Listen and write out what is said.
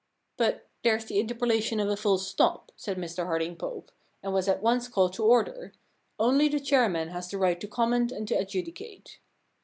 * But there's the interpolation of a full stop,' said Mr Harding Pope, and was at once called to order — only the chairman has the right to comment and to adjudicate.